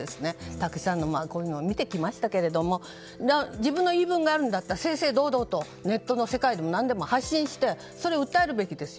たくさんのこういうのを見てきましたが自分の言い分があるなら正々堂々とネットの世界でも何でも配信して訴えるべきですよ。